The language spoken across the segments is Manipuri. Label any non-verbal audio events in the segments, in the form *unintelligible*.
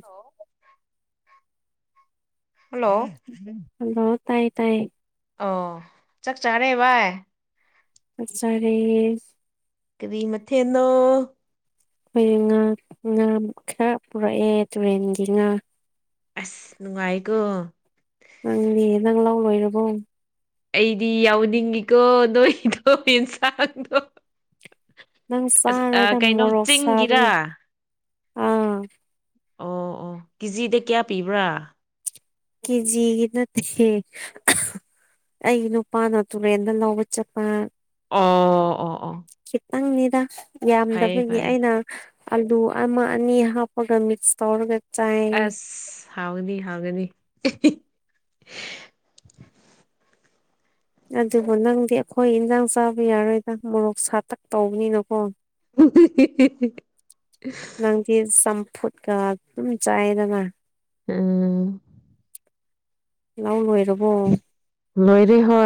ꯍꯜꯂꯣ ꯍꯜꯂꯣ ꯇꯥꯏꯌꯦ ꯇꯥꯏꯌꯦ ꯑꯣ ꯆꯥꯛ ꯆꯥꯔꯦ ꯚꯏ ꯑꯆꯔ ꯀꯔꯤ ꯃꯊꯦ ꯅꯣ ꯑꯩꯣꯏ ꯉꯥ ꯉꯥ ꯈꯔ ꯄꯨꯔꯛꯑꯦ ꯇꯨꯔꯦꯟꯒꯤ ꯉꯥ ꯑꯁ ꯅꯨꯡꯉꯥꯏꯀꯣ ꯅꯪꯅꯦ ꯅꯪ ꯂꯧꯥꯎ ꯂꯣꯏꯔꯕꯣ ꯑꯩꯗꯤ ꯌꯥꯎꯅꯤꯡꯉꯤꯀꯣ ꯅꯣꯏꯗꯣ ꯌꯦꯟꯁꯥꯡꯗꯣ ꯅꯪ ꯑꯁ ꯆꯥꯔꯣꯏꯗ ꯀꯩꯅꯣ ꯃꯣꯔꯣꯛ ꯆꯤꯡꯒꯤꯔꯥ ꯁꯥꯕꯒꯤ ꯑꯥ ꯑꯣ ꯑꯣ ꯀꯦꯖꯤꯗ ꯀꯌꯥ ꯄꯤꯕ꯭ꯔꯥ ꯀꯦꯖꯤꯒꯤ ꯅꯠꯇꯦ ꯑꯩ ꯅꯨꯄꯥꯅ ꯇꯨꯔꯦꯟꯗ ꯂꯧꯕ ꯆꯠꯄ ꯑꯣ ꯑꯣ ꯑꯣ ꯅꯪꯅꯤꯗ ꯐꯩꯌꯦ ꯌꯥꯝꯗꯕꯩꯅꯤ ꯐꯩꯌꯦ ꯑꯩꯅ ꯑꯂꯨ ꯑꯃ ꯑꯅꯤ ꯍꯥꯞꯄꯒ ꯃꯤꯛꯁ ꯇꯧꯔꯒ ꯆꯥꯏ ꯑꯁ ꯍꯥꯎꯒꯅꯤ ꯍꯥꯎꯒꯅꯤ ꯑꯗꯨꯕꯨ ꯅꯪꯗꯤ ꯑꯩꯈꯣꯏ ꯏꯟꯖꯥꯡ ꯆꯥꯕ ꯌꯥꯔꯣꯏꯗ ꯃꯣꯔꯣꯛ ꯁꯥꯇꯛ ꯇꯧꯕꯅꯤꯅꯀꯣ ꯎ ꯅꯪꯗꯤ ꯆꯝꯐꯨꯠꯀ ꯑꯗꯨꯝ ꯆꯥꯏꯗꯅ ꯎꯝ ꯂ ꯂꯣꯏꯔꯕꯣ ꯂꯣꯏꯔ ꯍ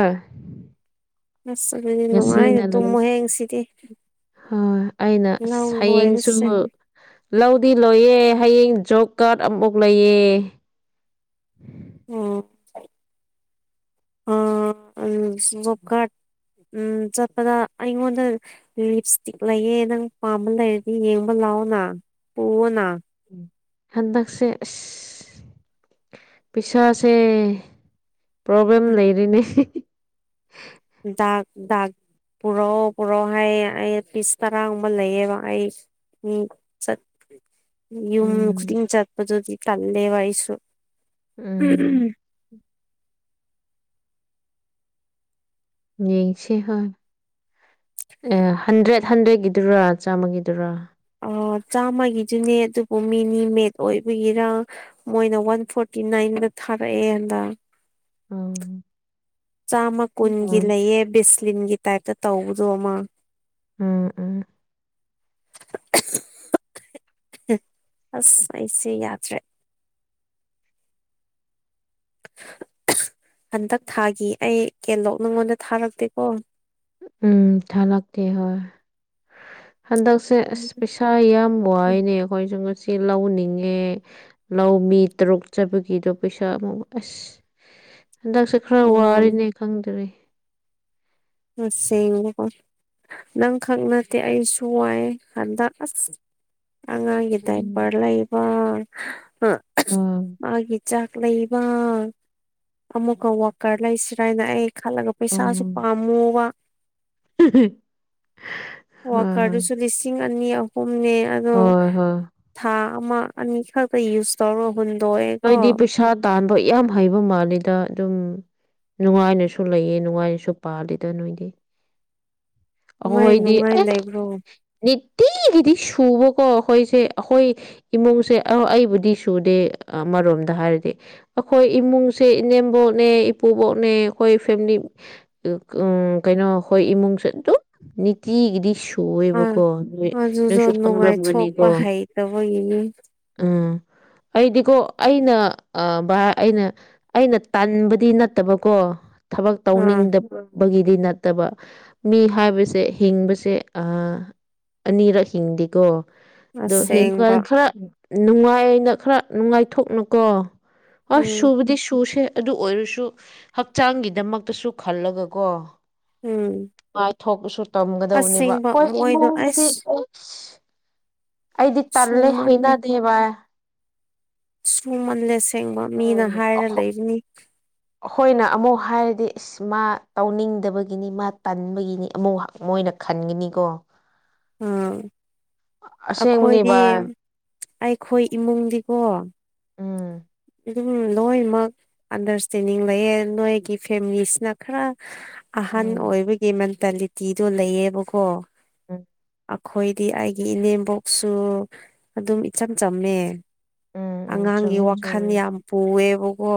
ꯑꯁ ꯑꯗꯨꯗꯤ ꯅꯨꯡꯉꯥꯏꯅꯦ ꯇꯨꯝꯃꯣ ꯍꯌꯦ ꯁꯤꯗꯤ ꯍꯣꯏ ꯑꯩꯅ ꯍꯌꯦꯡꯁꯨ ꯂꯧꯗꯤ ꯂꯣꯏꯌꯦ ꯍꯌꯦꯡ ꯖꯣꯕ ꯀꯥꯔꯗ ꯑꯃꯨꯛ ꯂꯩꯌꯦ ꯎꯝ ꯑ ꯎꯣꯥ ꯎꯝ ꯆꯠꯄꯗ ꯑꯩꯉꯣꯟꯗ ꯂꯤꯞ ꯏꯁꯇꯤꯛ ꯂꯩꯌꯦ ꯅꯪ ꯄꯥꯝꯕ ꯂꯩꯔꯗꯤ ꯌꯦꯡꯕ ꯂꯥꯛ ꯍꯥꯎꯅ ꯄꯅ ꯍꯥꯟꯗꯥꯛꯁꯦ ꯄꯁꯥꯁꯦ ꯄ꯭ꯔꯣꯕ꯭ꯂꯦꯝ ꯂꯩꯔꯤꯅꯦ ꯗ ꯗ ꯄꯨꯔꯛꯑꯣ ꯄꯨꯔꯛꯑꯣ ꯍꯥꯏꯌꯦ ꯑꯩ ꯄꯤꯁ ꯇꯔꯥꯒꯨꯝꯕ ꯂꯩꯑꯕ ꯑꯩ ꯎꯝ ꯌꯨꯝ ꯎꯝ ꯈꯨꯗꯤꯡ ꯆꯠꯄꯗꯨꯗꯤ ꯀꯜꯂꯦ ꯋꯥꯔꯤꯁꯨ ꯎꯝ ꯅꯁꯦ ꯍ ꯑꯦ ꯍꯟꯗ꯭ꯔꯦꯠ ꯍꯟꯗ꯭ꯔꯦꯠꯀꯤꯗꯨꯔꯥ ꯆꯥꯝꯃꯒꯤꯗꯨꯔ ꯑꯣ ꯆꯥꯃꯒꯤꯗꯨꯅꯦ ꯑꯗꯨꯕꯨ ꯃꯤꯅꯤ ꯃꯦꯗ ꯑꯣꯏꯕꯒꯤꯔ ꯃꯣꯏꯅ ꯋꯥꯟ ꯐꯣꯔꯇꯤ ꯅꯥꯏꯟ ꯊꯔꯌꯦꯗ ꯑ ꯆꯥꯃ ꯀꯨꯟꯒꯤ ꯎꯝ ꯂꯩꯑ ꯕꯤꯁꯂꯤꯟꯒꯤ ꯇꯥꯏꯞꯇ ꯇꯧꯕꯗꯣ ꯑꯃꯃ ꯎꯝ ꯎꯝ *inaudible* ꯑꯁ ꯑꯩꯁꯦ ꯌꯥꯗ꯭ꯔꯦ ꯍꯟꯗꯛ ꯊꯥꯒꯤ ꯑꯩ ꯀꯦꯟꯂꯣꯛ ꯅꯉꯣꯟꯗ ꯊꯥꯔꯛꯇꯦꯀꯣ ꯎꯝ ꯊꯥ ꯂꯥꯛꯇ ꯍ ꯍꯟꯗꯛꯁꯦ ꯑꯁ ꯄꯩꯁꯥ ꯌꯥꯝ ꯋꯥꯏꯅꯦ ꯑꯩꯈꯣꯏꯁꯨ ꯉꯁꯤ ꯁꯤ ꯂꯧꯅꯤꯡꯉꯦ ꯂꯧ ꯃꯤ ꯇꯔꯨꯛ ꯆꯕꯒꯤꯗꯣ ꯄꯩꯁꯥ ꯑꯃꯨ ꯑꯁ *inaudible* ꯍꯟꯗꯛꯁꯦ ꯈꯔ ꯑꯣ ꯋꯥꯔꯤꯔꯤꯅꯦ ꯈꯪꯗꯔꯤꯦ ꯁ ꯏꯀꯣ ꯅꯪ ꯈꯛ ꯅꯠꯇꯦ ꯑꯩꯁꯨ ꯋꯥꯏ ꯍꯟꯗꯛ ꯑꯁ ꯍꯉꯒꯗꯦ ꯎꯝ ꯄꯔ ꯂꯩ ꯂꯩꯕ ꯆꯥꯛ ꯂꯩꯕ ꯑꯃꯨꯛꯀ ꯋꯥꯀꯔ ꯂꯩꯁꯤꯔꯥ ꯍꯥꯏꯅ ꯑꯩ ꯂꯒ ꯄꯩ ꯁꯥꯁꯨꯄꯥ ꯎꯝ *inaudible* ꯑꯅꯤ ꯍꯣꯏ ꯍꯣꯏ ꯑꯍꯨꯝꯅꯦ ꯑꯗꯣ ꯍꯣꯏ ꯍꯣꯏ ꯊꯥ ꯑꯃ ꯑꯅꯤꯈꯛꯇ ꯌꯨꯁ ꯇꯧꯔꯣ ꯅꯣꯏꯗꯤ ꯄꯩꯁꯥ ꯇꯥꯟꯕ ꯌꯥꯝ ꯍꯩꯕ ꯃꯥꯜꯂꯤꯦꯗ ꯑꯗꯨꯝ ꯅꯨꯡꯉꯥꯏꯅꯁꯨ ꯂꯩꯌꯦ ꯅꯨꯡꯉꯥꯏꯅꯁꯨ ꯄꯥꯜꯂꯤꯗ ꯅꯣꯏꯗꯤ ꯀꯃꯥꯏ ꯑꯣꯏꯗꯤ ꯅꯨꯡꯉꯥꯏ ꯂꯩꯕ꯭ꯔꯣ ꯇꯤꯒꯤꯗꯤ ꯁꯨꯕꯀꯣ ꯑꯩꯈꯣꯏꯁꯦ ꯑꯩꯈꯣꯏ ꯏꯃꯨꯡꯁꯦ ꯑꯩꯕꯨꯗꯤ ꯁꯨꯗꯦ ꯑꯃꯔꯣꯝꯗ ꯍꯥꯏꯔꯗꯤ ꯑꯩꯈꯣꯏ ꯏꯃꯨꯡꯁꯦ ꯏꯅꯦꯝꯕꯣꯛꯅꯦ ꯏꯄꯨꯕꯣꯛꯅꯦ ꯑꯩꯈꯣꯏ ꯐꯦꯃꯤꯂꯤ ꯎꯝ ꯀꯩꯅꯣ ꯍꯣꯏ ꯏꯃꯨꯡ ꯆꯠ ꯑꯗꯨ ꯅꯤꯇꯤ꯭ꯔꯤꯁ ꯑꯥ ꯊꯣꯛꯑꯦꯕꯀꯣ ꯅꯣꯏ ꯅꯣꯏꯁꯨ ꯑꯗꯨꯗꯣ ꯈꯪꯔꯝꯒꯅꯤꯀꯣ ꯅꯨꯡꯉꯥꯏꯊꯣꯛꯄ ꯍꯩꯇꯕꯒꯤꯅꯤ ꯎꯝ *inaudible* ꯑꯩꯗꯤꯀꯣ ꯑꯩꯅ ꯚ ꯑꯩꯅ ꯑꯩꯅ ꯇꯟꯕꯗꯤ ꯅꯠꯇꯕꯀꯣ ꯊꯕꯛ ꯑꯥ ꯇꯧꯅꯤꯡꯗꯕꯒꯤꯗꯤ ꯅꯠꯇꯕ ꯃꯤ ꯍꯥꯏꯕꯁꯦ ꯍꯤꯡꯕꯁꯦ ꯑꯅꯤꯔꯛ ꯍꯤꯡꯗꯦꯀꯣ ꯑꯗꯨ ꯍꯤꯡꯕꯗ ꯑꯁꯦꯡꯕ ꯈꯥꯔ ꯅꯨꯡꯉꯥꯏꯅ ꯈꯔ ꯅꯨꯡꯉꯥꯏꯊꯣꯛꯅꯨꯀꯣ ꯑꯁ ꯎꯝ ꯁꯨꯕꯗꯤ ꯁꯨꯁꯦ ꯑꯗꯨ ꯑꯣꯏꯔꯁꯨ ꯍꯛꯆꯥꯡꯒꯤꯗꯃꯛꯇꯁꯨ ꯈꯜꯂꯒꯀꯣ ꯎꯝ ꯅꯨꯡꯉꯥꯢꯊꯣꯛꯄꯁꯨ ꯇꯝꯒꯗꯕꯅꯦꯕ ꯑꯁꯦꯡꯕ ꯍꯣꯢ ꯃꯣꯏꯗꯣ ꯏꯃꯨꯡꯕꯨꯗꯤ ꯑꯁ ꯑꯩꯗꯤ ꯇꯜꯂꯦ ꯁꯨꯃꯜꯂꯦ ꯍꯩꯅꯗꯦꯕ ꯁꯨꯃꯜꯂꯦ ꯁꯦꯡꯕ ꯃꯤꯅ ꯎꯝ ꯍꯥꯏꯔ ꯂꯩꯕꯅꯤ ꯑꯩꯈꯣꯏꯅ ꯑꯃꯨꯛ ꯍꯥꯏꯔꯗꯤ ꯢꯁ ꯃꯥ ꯇꯧꯅꯤꯡꯗꯕꯒꯤꯅꯤ ꯃꯥ ꯇꯟꯕꯒꯤꯅꯤ ꯑꯃꯨꯛ ꯃꯣꯏꯅ ꯈꯟꯒꯅꯤꯀꯣ ꯎꯝ ꯑꯁꯦꯡꯕꯅꯦ ꯑꯩꯈꯣꯏꯗꯤ ꯚꯥꯏ ꯑꯩꯈꯣꯏ ꯏꯃꯨꯡꯗꯤꯀꯣ ꯎꯝ ꯑꯗꯨꯝ ꯂꯣꯏꯅꯃꯛ ꯑꯟꯗꯔꯁꯇꯦꯟꯗꯤꯡ ꯂꯩꯌꯦ ꯅꯣꯏꯒꯤ ꯐꯦꯃꯤꯂꯤꯁꯤꯅ ꯈꯔ ꯑꯍꯟ ꯎꯝ ꯑꯣꯏꯕꯒꯤ ꯃꯦꯟꯇꯦꯜꯂꯤꯇꯤꯗꯣ ꯂꯩꯌꯦꯕꯀꯣ *unintelligible* ꯑꯩꯈꯣꯏꯗꯤ ꯑꯩꯒꯤ ꯏꯅꯦꯝꯕꯣꯛꯁꯨ ꯑꯗꯨꯝ ꯏꯆꯝ ꯆꯝꯃꯦ ꯎꯝ ꯎꯝ ꯑꯉꯥꯡꯒꯤ ꯆꯨꯝꯃꯤ ꯋꯥꯈꯜ ꯆꯨꯝꯃꯤ ꯌꯥꯝ ꯄꯨꯑꯦꯕꯀꯣ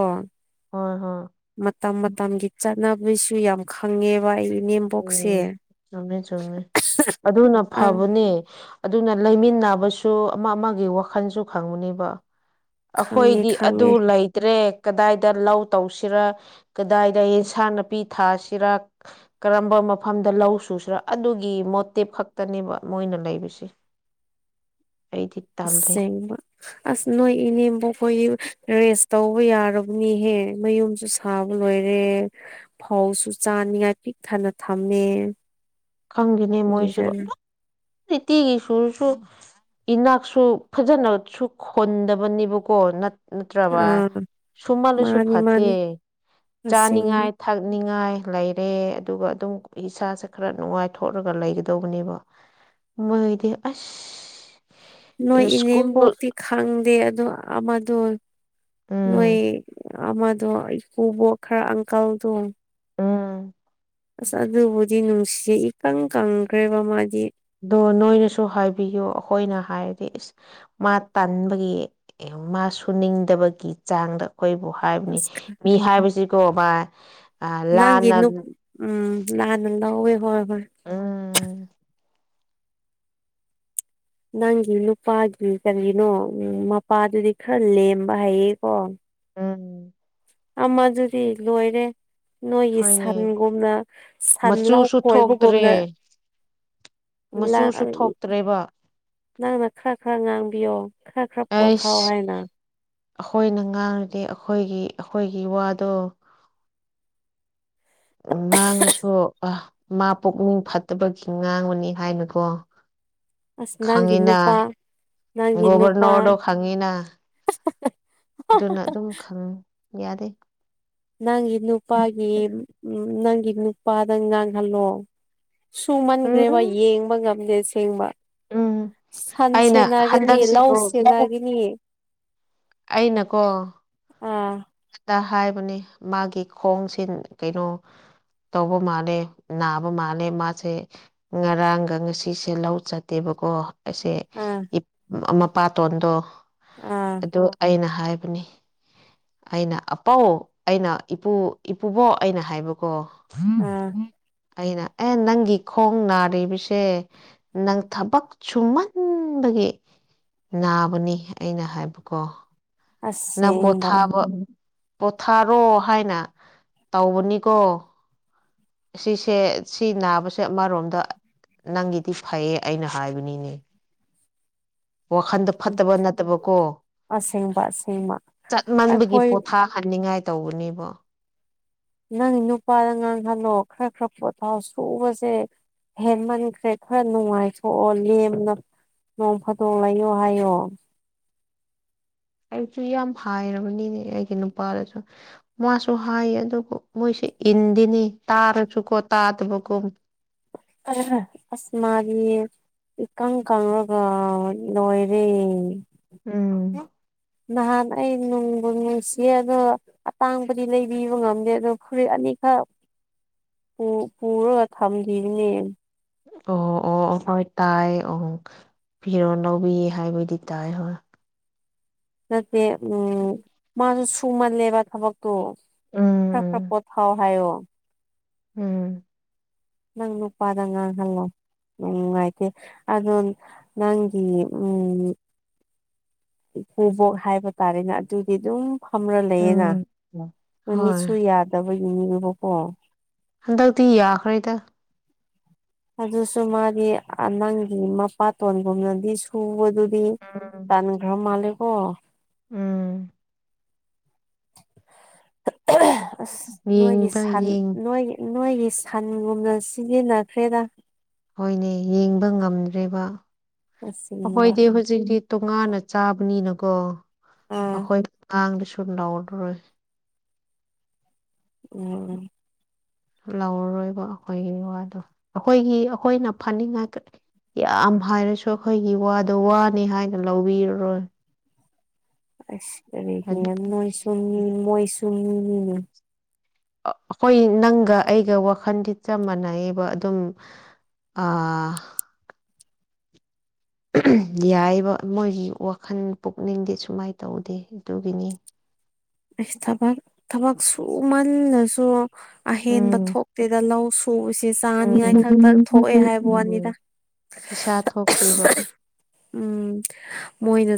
ꯍꯣꯏ ꯍꯣꯏ ꯃꯇꯝ ꯃꯇꯝꯒꯤ ꯆꯠꯅꯕꯤꯁꯨ ꯌꯥꯝ ꯈꯪꯉꯦꯕ ꯑꯩ ꯏꯅꯦꯝꯕꯣꯛꯁꯦ ꯎꯝ ꯆꯨꯝꯃꯦ ꯆꯨꯝꯃꯦ ꯑꯗꯨꯅ ꯑꯪ ꯐꯕꯅꯦ ꯑꯗꯨꯅ ꯂꯩꯃꯤꯟꯅꯕꯁꯨ ꯑꯃ ꯑꯃꯒꯤ ꯋꯥꯈꯜꯁꯨ ꯈꯪꯕꯅꯦꯕ ꯈꯪꯉꯦ ꯑꯩꯈꯣꯏꯗꯤ ꯑꯗꯨ ꯈꯪꯉꯦ ꯂꯩꯇ꯭ꯔꯦ ꯀꯗꯥꯏꯗ ꯂꯧ ꯇꯧꯁꯤꯔ ꯀꯗꯥꯏꯗ ꯑꯦꯟꯁꯥꯡ ꯅꯥꯄꯤ ꯊꯥꯁꯤꯔ ꯀꯔꯝꯕ ꯃꯐꯝꯗ ꯂꯧ ꯁꯨꯁꯤꯔꯥ ꯑꯗꯨꯒꯤ ꯃꯣꯇꯤꯞ ꯈꯛꯇꯅꯦꯕ ꯃꯣꯏꯅ ꯂꯩꯕꯁꯦ *inaudible* ꯑꯩꯗꯤ ꯇꯜꯂꯦ ꯑꯁꯦꯡꯕ ꯑꯁ ꯅꯣꯏ ꯏꯅꯦꯝꯕꯣꯛꯈꯣꯏ ꯔꯦꯁ ꯇꯧꯕ ꯌꯥꯔꯕꯅꯤꯍꯦ ꯃꯌꯨꯝꯁꯨ ꯁꯥꯕ ꯂꯣꯏꯔꯦ ꯐꯧꯁꯨ ꯆꯥꯅꯤꯡꯉꯥꯏ ꯄꯤꯛ ꯊꯥꯟꯅ ꯊꯝꯃꯦ ꯈꯪꯗꯦꯅꯦ ꯃꯣꯏꯁꯨ ꯀꯔꯤꯔ ꯑꯗꯨꯛ ꯅꯨꯡꯇꯤꯒꯤ ꯁꯨꯔꯁꯨ ꯏꯅꯥꯛꯁꯨ ꯐꯖꯅꯁꯨ ꯈꯨꯟꯗꯕꯅꯦꯕꯀꯣ ꯅꯠꯇ꯭ꯔꯕ ꯑꯥ ꯁꯨꯃꯜꯂꯁꯨ ꯃꯥꯅꯤ ꯐꯠꯇꯦ ꯃꯥꯅꯤ ꯑꯁꯦꯡꯕ ꯆꯥꯅꯤꯡꯉꯥꯏ ꯊꯛꯅꯤꯡꯉꯥꯏ ꯂꯩꯔꯦ ꯑꯗꯨꯒ ꯑꯗꯨꯝ ꯏꯁꯥꯁꯦ ꯈꯔ ꯅꯨꯡꯉꯥꯏꯊꯣꯛꯂꯒ ꯂꯩꯒꯗꯧꯕꯅꯦꯕ ꯃꯣꯏꯗꯤ ꯑꯁ ꯅꯣꯏ ꯁ꯭ꯀꯨꯜ ꯏꯅꯦꯝꯕꯣꯛꯇꯤ ꯈꯪꯗꯦ ꯑꯗꯣ ꯑꯃꯗꯣ ꯅꯣꯏ ꯎꯝ ꯑꯃꯗꯣ ꯏꯀꯨꯕꯣꯛ ꯈꯔ ꯑꯪꯀꯜꯗꯣ ꯎꯝ ꯑꯁ ꯑꯗꯨꯕꯨꯗꯤ ꯅꯨꯡꯁꯤ ꯏꯀꯪ ꯀꯪꯈ꯭ꯔꯦꯕ ꯃꯥꯗꯤ ꯑꯗꯣ ꯅꯣꯏꯅꯁꯨ ꯍꯥꯏꯕꯤꯌꯨ ꯑꯩꯈꯣꯏꯅ ꯍꯥꯏꯔꯗꯤ ꯏꯁ ꯃꯥ ꯇꯟꯟꯕꯒꯤ ꯃꯥ ꯁꯨꯨꯅꯤꯡꯗꯕꯒꯤ ꯆꯥꯡꯗ ꯑꯩꯈꯣꯏꯕꯨ ꯍꯥꯏꯕꯅꯤ ꯑꯁ ꯃꯤ ꯍꯥꯏꯕꯁꯤꯀꯣ ꯃꯥ ꯅꯪꯒꯤ ꯂꯥꯟꯅ ꯅꯨꯞ ꯎꯝ ꯂꯥꯟꯅ ꯂꯧꯑꯦ ꯍꯣꯏ ꯍꯣꯏ ꯎꯝ ꯅꯪꯒꯤ ꯅꯨꯄꯥꯒꯤ ꯀꯔꯤꯅꯣ ꯃꯄꯥꯗꯨꯗꯤ ꯈꯔ ꯂꯦꯝꯕ ꯍꯩꯌꯦꯀꯣ ꯎꯝ ꯑꯃꯗꯨꯗꯤ ꯂꯣꯏꯔꯦ ꯅꯣꯏꯒꯤ ꯍꯣꯏꯅꯦ ꯁꯟꯒꯨꯝꯅ ꯁꯟ ꯂꯧ ꯃꯆꯨꯁꯨ ꯊꯣꯛꯇ꯭ꯔꯦ ꯈꯣꯏꯕꯒꯨꯝꯅ ꯂ ꯃꯆꯨꯁꯨ *unintelligible* ꯊꯣꯛꯇ꯭ꯔꯦꯕ ꯅꯪꯅ ꯈꯔ ꯈꯔ ꯉꯥꯡꯕꯤꯌꯣ ꯈꯔ ꯈꯔ ꯄꯣꯊꯥꯎ ꯑꯩꯁ ꯍꯥꯏꯅ ꯑꯩꯈꯣꯏꯅ ꯉꯥꯡꯔꯗꯤ ꯑꯩꯈꯣꯏꯒꯤ ꯑꯩꯈꯣꯏꯒꯤ ꯋꯥꯗꯣ ꯎ ꯉꯥꯡꯉꯁꯨ ꯑ ꯃꯥ ꯄꯨꯛꯅꯤꯡ ꯐꯠꯇꯕꯒꯤ ꯉꯥꯡꯕꯅꯤ ꯍꯥꯏꯅꯀꯣ ꯑꯁ ꯅꯪꯒꯤ ꯈꯉꯤꯅ ꯅꯨꯄꯥ ꯅꯪꯒꯤ ꯅꯨꯄꯥ ꯣꯕꯔꯅꯗꯣ ꯈꯉꯤꯅ ꯑꯗꯨꯅ ꯑꯗꯨꯝ ꯈꯪ ꯌꯥꯔꯦ ꯅꯪꯒꯤ ꯅꯨꯄꯥꯒꯤ ꯎ ꯅꯪꯒꯤ ꯅꯨꯄꯥꯗꯪ ꯉꯥꯡꯍꯜꯂꯣ ꯁꯨꯃꯟꯈ꯭ꯔꯦꯕ ꯎꯝ ꯌꯦꯡꯕ ꯉꯝꯗꯦ ꯁꯦꯡꯕ ꯎꯝ ꯁꯟ ꯑꯩꯅ ꯁꯦꯟꯅꯒꯅꯤ ꯂꯧ ꯍꯟꯗꯛꯁꯤꯀꯣ ꯁꯦꯟꯅꯒꯅꯤ ꯑꯩꯅꯀꯣ ꯑꯥ ꯍꯥꯏꯕꯅꯤ ꯃꯥꯒꯤ ꯈꯣꯡꯁꯤ ꯀꯩꯅꯣ ꯇꯧꯕ ꯃꯥꯜꯂꯦ ꯅꯥꯕ ꯃꯥꯜꯂꯦ ꯃꯥꯁꯦ ꯉꯔꯥꯡꯒ ꯉꯁꯤꯁꯦ ꯂꯧ ꯆꯠꯇꯦꯕ ꯣ ꯑꯩꯁꯦ ꯑꯥ ꯃꯄꯥꯇꯣꯟꯗꯣ ꯑꯥ ꯑꯗꯨ ꯑꯩꯅ ꯍꯥꯏꯕꯅꯤ ꯑꯩꯅ ꯑꯄꯥꯎ ꯑꯩꯅ ꯏꯄꯨ ꯏꯄꯨꯕꯣ ꯑꯩꯅ ꯍꯥꯏꯕꯀꯣ ꯎꯝ ꯑꯥ ꯑꯩꯅ ꯑꯦ ꯅꯪꯒꯤ ꯈꯣꯡ ꯅꯥꯔꯤꯕꯁꯦ ꯅꯪ ꯊꯕꯛ ꯁꯨꯝꯍꯟꯕ ꯑꯗꯨꯒꯤ ꯅꯥꯕꯅꯤ ꯑꯩꯅ ꯍꯥꯏꯕꯀꯣ ꯑꯁꯦꯡꯕ ꯅꯕꯣꯊꯥꯕ ꯄꯣꯊꯥꯔꯣ ꯍꯥꯏꯅ ꯇꯧꯕꯅꯤꯀꯣ ꯁꯤꯁꯦ ꯁꯤ ꯅꯥꯕꯁꯦ ꯑꯃꯔꯣꯝꯗ ꯅꯪꯒꯤꯗꯤ ꯐꯩꯌꯦ ꯑꯩꯅ ꯍꯥꯏꯕꯅꯤꯅꯦ *unintelligible* ꯋꯥꯈꯟꯗ ꯐꯠꯇꯕ ꯅꯠꯇꯕꯀꯣ ꯑꯁꯦꯡꯕ ꯑꯁꯦꯡꯕ ꯆꯠꯃꯟꯕꯒꯤ ꯑꯩꯈꯣꯏ ꯄꯣꯊꯥꯍꯟꯅꯤꯡꯉꯥꯏ ꯇꯧꯕꯅꯦꯕꯣ ꯅꯪ ꯅꯨꯄꯥꯗ ꯉꯥꯡꯍꯜꯂꯣ ꯈꯔ ꯈꯔ ꯄꯣꯊꯥꯎ ꯁꯨꯕꯁꯦ ꯍꯦꯟꯃꯟꯁꯦ ꯈꯔ ꯅꯨꯡꯉꯥꯏꯊꯣꯛꯑꯣꯦꯝꯅ ꯅꯣꯡ ꯐꯗꯣ ꯂꯩꯌꯣ ꯍꯥꯏꯌꯣ ꯑꯌꯨꯛꯁꯨ ꯌꯥꯝ ꯍꯥꯏꯔꯕꯅꯤꯅꯦ ꯑꯩꯒꯤ ꯅꯨꯄꯥꯗꯁꯨ ꯃꯥꯁꯨ ꯍꯥꯏꯌꯦ ꯑꯗꯨꯕꯨ ꯃꯣꯏꯁꯤ ꯏꯟꯗꯤꯅꯤ ꯇꯥꯔꯁꯨꯀꯣ ꯇꯥꯗꯕꯒꯨꯝ ꯑꯁ ꯃꯥꯒꯤ ꯏꯀꯪ ꯀꯉꯒ ꯂꯣꯏꯗꯤ ꯎꯝ ꯅꯍꯥꯟ ꯑꯩ ꯅꯨꯡꯕꯨ ꯅꯨꯡꯁꯤꯌꯦ ꯑꯗꯣ ꯑꯇꯥꯡꯕꯗꯤ ꯂꯩꯕꯤꯕ ꯉꯝꯗꯦ ꯑꯗꯣ ꯐꯨꯔꯤꯠ ꯑꯅꯤꯈꯛ ꯄꯨ ꯄꯔ ꯊꯝꯗꯔꯅꯤ ꯑꯣ ꯑꯣ ꯑꯣ ꯍꯣꯏ ꯇꯥꯏ ꯑ ꯐꯤꯔꯣ ꯂꯧꯕꯤꯌꯦ ꯍꯥꯏꯕꯗꯤ ꯇꯥꯏ ꯍꯣꯏ ꯅꯠꯇꯦ ꯎꯝ ꯃꯥꯁꯨ ꯁꯨꯃꯜꯂꯦꯕ ꯊꯕꯛ ꯇꯣ ꯎꯝ ꯐꯥꯛ ꯎꯝ ꯄꯊ ꯍꯥꯋꯥ ꯍꯥꯏꯣ ꯎꯝ ꯅꯪ ꯅꯨ ꯎꯄꯥꯗꯉ ꯍꯜꯂꯣ ꯎꯝ ꯑꯦ ꯑ ꯅꯪꯒꯤ ꯎꯝ ꯏ ꯈꯨꯨꯕꯣꯛ ꯍꯥꯏꯕ ꯇꯥꯔꯦꯅꯦ ꯑꯗꯨꯒꯤ ꯑꯗꯨꯝ ꯐꯝꯔ ꯂꯩꯌꯦꯅ ꯎꯝ ꯍꯣꯏ ꯃꯃꯤꯠꯁꯨ ꯌꯥꯗꯕꯒꯤꯅꯦꯕꯀꯣ ꯍꯟꯗꯛꯇꯤ ꯌꯥꯈ꯭ꯔꯦꯗ ꯑꯗꯨꯁꯨ ꯃꯥꯗꯤ ꯅꯪꯒꯤ ꯃꯄꯥꯇꯣꯟꯒꯨꯝꯅꯗꯤ ꯁꯨꯕꯗꯨ ꯎꯝ ꯇꯥꯟꯒ꯭ꯔ ꯃꯥꯂꯦꯀꯣ ꯎꯝ ꯑꯁ ꯅꯣꯏꯒꯤ ꯌꯦꯡꯕ ꯁꯟ ꯌꯦꯡ ꯅꯣꯏꯒꯤ ꯅꯣꯏꯒꯤ ꯁꯟꯒꯨꯝꯅ ꯁꯤꯖꯤꯟꯅꯈ꯭ꯔꯦꯗ ꯍꯣꯏꯅꯦ ꯌꯦꯡꯕ ꯉꯝꯗ꯭ꯔꯦꯕ ꯑꯁꯦꯡꯕ ꯑꯩꯈꯣꯏꯗꯤ ꯍꯧꯖꯤꯛꯇꯤ ꯇꯣꯉꯥꯟꯅ ꯆꯥꯕꯅꯤꯅꯀꯣ ꯑꯥ ꯑꯩꯈꯣꯏ ꯇꯥꯡꯗ ꯁ ꯂꯥꯎꯔꯔꯣꯏ ꯎꯝ ꯂꯧꯔꯔꯣꯏꯕ ꯑꯩꯈꯣꯏꯒꯤ ꯋꯥꯗꯣ ꯑꯩꯈꯣꯏꯒꯤ ꯑꯩꯈꯣꯏꯅ ꯐꯅꯤꯡꯉꯥꯏ ꯌꯥꯝ ꯍꯥꯏꯔꯁꯨ ꯑꯩꯈꯣꯏꯒꯤ ꯋꯥꯗꯣ ꯋꯥꯅꯤ ꯍꯥꯏꯅ ꯂꯧꯕꯤꯔꯔꯣꯏ ꯑꯁꯔꯦ ꯅꯣꯏꯁꯃꯤ ꯃꯣꯏꯁꯨꯃꯤ ꯍꯣꯏ ꯅꯪꯒ ꯑꯩꯒ ꯋꯥꯈꯟꯗꯤ ꯆꯞ ꯃꯥꯟꯅꯩꯑꯕ ꯑꯗꯨꯝ ꯑꯥ ꯌꯥꯏꯕ ꯃꯣꯏꯒꯤ ꯋꯥꯈꯜ ꯄꯨꯛꯅꯤꯡꯗꯦ ꯁꯨꯃꯥꯏꯅ ꯇꯧꯗꯦ ꯑꯗꯨꯒꯤꯅꯤ ꯑꯁ ꯊꯕꯛ ꯊꯕꯛ ꯁꯨꯃꯜꯂꯁꯨ ꯑꯍꯦꯟꯕ ꯎꯝ ꯊꯣꯛꯇꯦꯗ ꯂꯧ ꯁꯨꯁꯦ ꯆꯥꯅꯤꯉꯥꯏ ꯈꯛꯇ ꯊꯣꯛꯑꯦ ꯍꯥꯏꯕ ꯋꯥꯅꯤꯗ ꯄꯁꯥ ꯊꯣꯛꯇꯦꯕ ꯎꯝ ꯃꯣꯏꯅ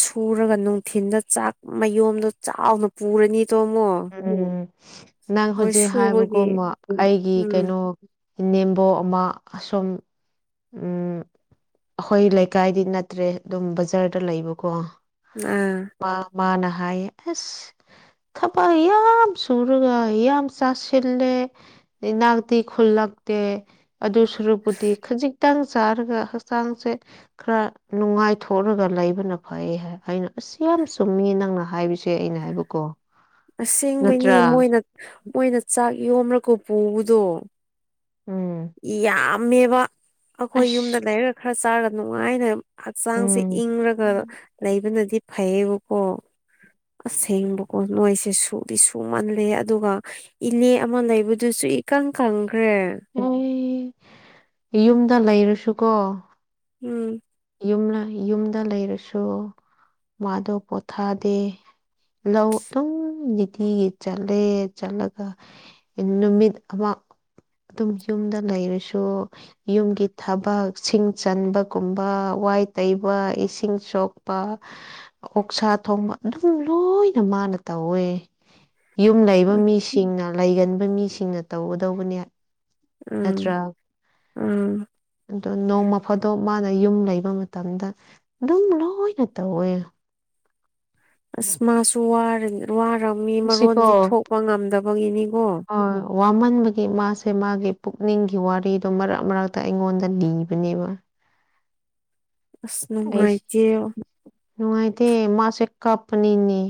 ꯁꯨꯔꯒ ꯅꯨꯡꯊꯤꯤꯟꯗ ꯆꯥꯛ ꯃꯌꯣꯗꯣ ꯆꯥꯎꯅ ꯄꯨꯔꯅꯤ ꯇꯣꯃꯣ ꯎꯝ ꯅꯪ ꯍꯧꯖꯤꯛ ꯍꯥꯏꯕꯒꯨꯝ ꯑꯩꯒꯤ ꯎꯝ ꯀꯩꯅꯣ ꯅꯦꯝꯕꯣ ꯑꯃ ꯑꯁꯨꯝ ꯑꯩꯈꯣꯏ ꯂꯩꯀꯥꯏꯗꯤ ꯅꯠꯇ꯭ꯔꯦ ꯑꯗꯨꯝ ꯕꯖꯥꯔꯗ ꯂꯩꯕꯀꯣ ꯑꯥ ꯃꯥ ꯃꯥꯅ ꯍꯥꯏꯥꯏ ꯑꯁ ꯈ ꯑꯄꯥ ꯌꯥꯝ ꯁꯨꯔꯒ ꯌꯥꯝ ꯆꯥꯁꯤꯜꯂꯦ ꯅꯥꯗꯤ ꯈꯨꯜꯂꯛꯇꯦ ꯑꯗꯨ ꯁꯨꯔꯨꯄꯗꯤ ꯈꯖꯤꯛꯇꯪ ꯆꯥꯔꯒ ꯍꯛꯆꯥꯡꯁꯦ ꯈꯔ ꯅꯨꯡꯉꯥꯏꯊꯣꯛꯑ ꯈꯣꯠꯂꯒ ꯂꯩꯕꯅ ꯐꯩ ꯍꯥꯏ ꯑꯩꯅ ꯑꯁ ꯌꯥꯝ ꯆꯨꯝꯃꯤ ꯅꯪꯅ ꯍꯥꯏꯕꯁꯦ ꯑꯩꯅ ꯍꯥꯏꯕꯀꯣ ꯑꯁꯦꯡꯕꯅꯤ ꯅꯠꯇ꯭ꯔꯥ ꯃꯣꯏꯅ ꯃꯣꯏꯅ ꯆꯥꯛ ꯌꯣꯝ꯭ꯔꯀꯣ ꯄꯨꯕꯗꯣ ꯎꯝ ꯌꯥꯝꯃꯦꯕ ꯑꯩꯈꯣꯏ ꯑꯁ ꯌꯨꯝꯗ ꯂꯩꯔꯒ ꯈꯔ ꯆꯥꯔꯒ ꯅꯨꯡꯉꯥꯏꯅ ꯍꯛꯆꯥꯡꯁꯦ ꯎꯝ ꯏꯪꯔꯒ ꯂꯩꯕꯅꯗꯤ ꯐꯩꯌꯦꯕꯀꯣ ꯑꯁꯦꯡꯕꯀꯣ ꯅꯣꯏꯁꯦ ꯁꯨꯗꯤ ꯁꯨꯃꯜꯂꯦ ꯑꯗꯨꯒ ꯏꯂꯦ ꯑꯃ ꯂꯩꯕꯗꯨꯁꯨ ꯁꯔꯤꯀꯪꯀꯈ꯭ꯔꯦ ꯍꯣꯏ ꯌꯨꯝꯗ ꯂꯩꯔꯨꯁꯨꯀꯣ ꯎꯝ ꯌ ꯌꯨꯝꯗ ꯂꯩꯔꯁꯨ ꯃꯥꯗꯣ ꯄꯣꯊꯥꯗꯦ ꯂꯧ ꯑꯗꯨꯝ ꯅꯤꯗꯤꯤꯒꯤ ꯆꯠꯂꯦ ꯆꯠꯂꯒ ꯅꯨꯃꯤꯠ ꯑꯃ ꯑꯗꯨꯝ ꯌꯨꯝꯗ ꯂꯩꯔꯁꯨ ꯌꯨꯝꯒꯤ ꯊꯕꯛ ꯁꯤꯡ ꯆꯟꯕꯒꯨꯝ ꯋꯥꯏ ꯇꯩꯕ ꯏꯁꯤꯡ ꯁꯣꯛꯄ ꯑꯣꯛꯁꯥ ꯊꯣꯡꯕ ꯑꯗꯨꯝ ꯂꯣꯏ ꯂꯣꯏꯅ ꯃꯥꯅ ꯇꯧꯋꯦ ꯌꯨꯝ ꯂꯩꯕ ꯃꯤꯁꯤꯡꯅ ꯂꯩꯒꯟꯕ ꯃꯤꯁꯤꯡꯅ ꯇꯧꯒꯗꯧꯕꯅꯦ ꯎꯝ ꯑ꯭ꯔꯥ ꯎꯝ ꯑꯗꯣ ꯅꯣꯡꯃ ꯐꯗꯣ ꯃꯥꯅ ꯌꯨꯝ ꯂꯩꯕ ꯃꯇꯝꯗ ꯑꯗꯨꯝ ꯂꯣꯏꯅ ꯇꯧꯋꯦ ꯑꯁ ꯃꯥꯁꯨ ꯋꯥꯔꯝꯃꯤ ꯃꯔꯣꯟꯁꯤ ꯊꯣꯛꯄ ꯉꯝꯗꯕꯒꯤꯅꯤ ꯑꯥ ꯋꯥꯃꯟꯕꯒꯤ ꯃꯥꯁꯦ ꯃꯥꯒꯤ ꯄꯨꯛꯅꯤꯡꯒꯤ ꯋꯥꯔꯤꯗꯣ ꯃꯔꯛ ꯃꯔꯛꯇ ꯑꯩꯉꯣꯟꯗ ꯂꯤꯕꯅꯦꯕ ꯑꯁ ꯅꯨꯡꯉꯥꯏꯇꯦ ꯅꯅꯨꯡꯉꯥꯏꯗꯤ ꯃꯥꯁ ꯀꯞꯄꯅꯤꯅꯤ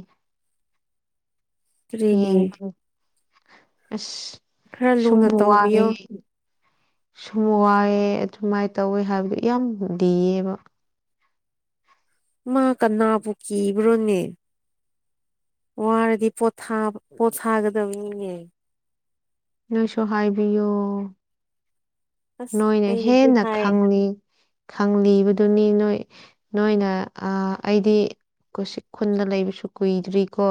ꯐꯔꯔꯤꯒꯦ ꯑꯁ ꯂꯨꯅ ꯁꯨꯝꯃꯨ ꯋꯥꯒꯦ ꯇꯧꯕꯤꯌꯣ ꯁꯨꯝ ꯋꯥꯏꯑꯦ ꯑꯗꯨꯃꯥꯏꯅ ꯇꯧꯋꯦ ꯍꯥꯏꯕꯗꯨ ꯌꯥꯝ ꯗꯤꯌꯦꯕ ꯃꯥ ꯀꯅꯥꯕꯨ ꯀꯕ꯭ꯔꯣꯅꯦ ꯋꯥꯔꯗꯤ ꯄꯣ ꯄꯣꯊꯥꯒꯗꯕꯅꯤꯅꯦ ꯅꯣꯏꯁꯨ ꯍꯥꯏꯕꯤꯌꯣ ꯑꯁ ꯅꯣꯏꯅ ꯑꯩꯅꯗꯤ ꯍꯦꯟꯅ ꯍꯥꯏ ꯈꯪꯂꯤ ꯈꯪꯂꯤꯕꯗꯨꯅꯤ ꯅꯣꯏ ꯅꯣꯏꯅ ꯑꯩꯗꯤ ꯀꯁꯤꯛ ꯈꯨꯗ ꯂꯩꯕꯁꯨ ꯀꯨꯏꯗ꯭ꯔꯤ ꯀꯣ